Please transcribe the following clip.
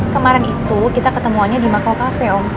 kemarin itu kita ketemuannya di mako cafe om